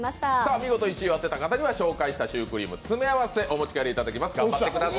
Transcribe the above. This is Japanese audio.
見事正解した方にはシュークリームの詰め合わせお持ち帰りいただきます。